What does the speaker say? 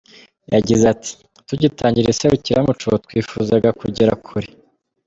Yagize ati “Tugitangira iri serukiramuco, twifuzaga kugera kure.